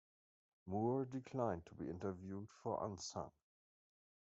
Moore declined to be interviewed for "Unsung".